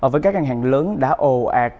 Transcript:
với các ngân hàng lớn đã ồ ạt